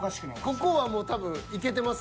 ここはもう多分いけてます。